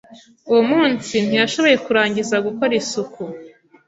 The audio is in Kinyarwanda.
Uwo munsi ntiyashoboye kurangiza gukora isuku